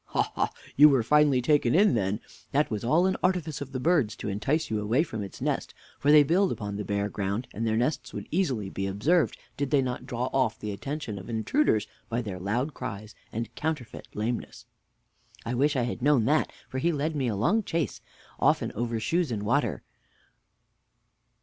Mr. A. Ha, ha! you were finely taken in then! This was all an artifice of the bird's to entice you away from its nest; for they build upon the bare ground, and their nests would easily be observed, did they not draw off the attention of intruders by their loud cries and counterfeit lameness. W. I wish I had known that, for he led me a long chase, often over shoes in water.